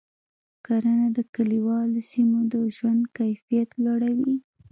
کرنه د کلیوالو سیمو د ژوند کیفیت لوړوي.